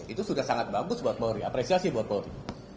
itu sudah sangat bagus buat polri apresiasi buat polri